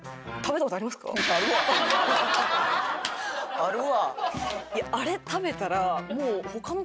あるわ。